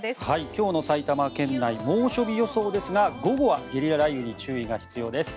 今日の埼玉県内猛暑日予想ですが午後はゲリラ雷雨に注意が必要です。